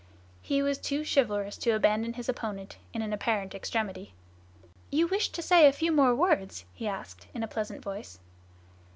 He was too chivalrous to abandon his opponent in an apparent extremity. "You wished to say a few more words?" he asked, in a pleasant voice.